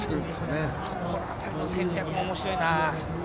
ここ辺りの戦略も面白いな。